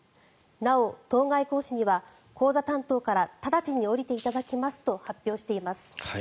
なお、当該講師には講座担当から直ちに降りていただきますと発表しています。